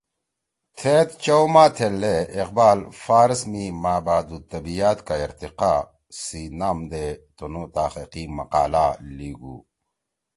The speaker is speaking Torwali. تھید چؤ ماہ تھیلدے اقبال” فارس میں مابعد الطبیعیات کا ارتقا“سی نام دے تنُو تحقیقی مقالہ لیِگُو